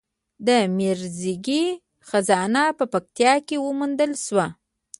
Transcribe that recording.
د میرزکې خزانه په پکتیا کې وموندل شوه